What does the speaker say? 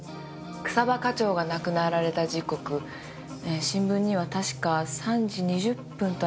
草葉課長が亡くなられた時刻新聞には確か３時２０分とありました。